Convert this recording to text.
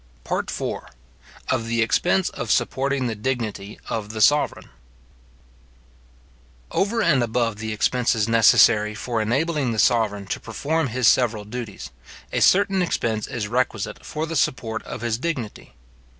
PART IV. Of the Expense of supporting the Dignity of the Sovereign. Over and above the expenses necessary for enabling the sovereign to perform his several duties, a certain expense is requisite for the support of his dignity.